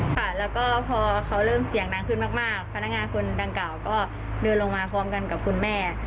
ค่ะแล้วก็พอเขาเริ่มเสียงดังขึ้นมากพนักงานคนดังกล่าวก็เดินลงมาพร้อมกันกับคุณแม่